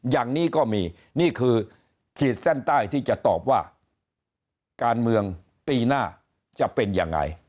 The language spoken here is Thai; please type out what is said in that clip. อย่างนี้ก็มีนี่คือขีดเส้นใต้ที่จะตอบว่าการเมืองปีหน้าจะเป็นยังไง